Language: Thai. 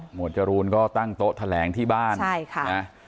วดจรูนก็ตั้งโต๊ะแถลงที่บ้านใช่ค่ะนะ